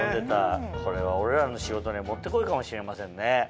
これは俺らの仕事にはもってこいかもしれませんね。